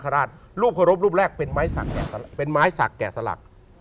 รูปแรกเป็นไม้ศักดิ์แกะสลัก